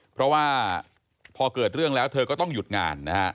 เพราะว่าพอเกิดเรื่องแล้วเธอก็ต้องหยุดงานนะฮะ